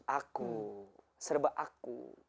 aku serba aku